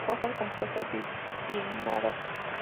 Hojas compuestas bipinnadas.